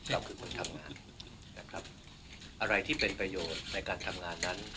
เราคือคนทำงานนะครับอะไรที่เป็นประโยชน์ในการทำงานนั้น